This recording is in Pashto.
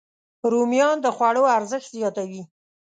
رومیان د خوړو ارزښت زیاتوي